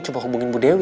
coba hubungin bu dewi